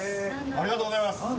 ありがとうございます。